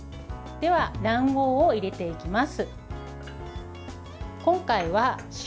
では、卵黄を入れていきます。